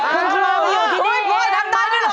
พ่อทำได้ด้วยเหรอ